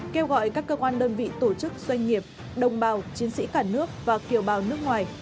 kêu gọi các cơ quan đơn vị tổ chức doanh nghiệp đồng bào chiến sĩ cả nước và kiều bào nước ngoài